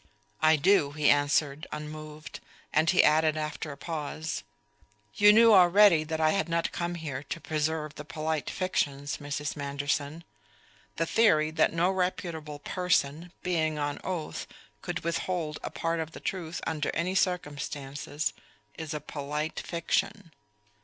"I do," he answered unmoved; and he added after a pause: "You knew already that I had not come here to preserve the polite fictions, Mrs. Manderson. The theory that no reputable person, being on oath, could withhold a part of the truth under any circumstances is a polite fiction."